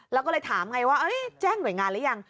แล้วก็เลยถามไงว่าแจ้งหน่วยงานหรือยัง